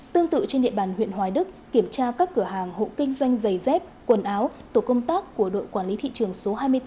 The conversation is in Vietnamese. tương tự trên địa bàn huyện hoài đức kiểm tra các cửa hàng hộ kinh doanh giày dép quần áo tổ công tác của đội quản lý thị trường số hai mươi bốn